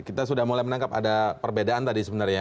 kita sudah mulai menangkap ada perbedaan tadi sebenarnya